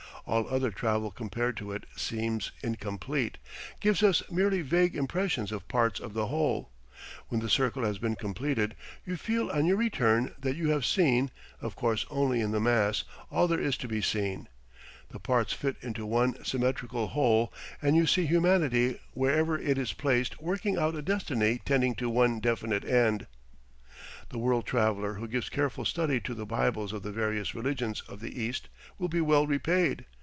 All other travel compared to it seems incomplete, gives us merely vague impressions of parts of the whole. When the circle has been completed, you feel on your return that you have seen (of course only in the mass) all there is to be seen. The parts fit into one symmetrical whole and you see humanity wherever it is placed working out a destiny tending to one definite end. The world traveler who gives careful study to the bibles of the various religions of the East will be well repaid.